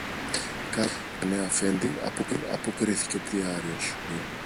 Καλά είναι, Αφέντη, αποκρίθηκε ο πρωτοβεστιάριος